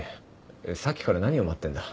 さっきから何を待ってんだ。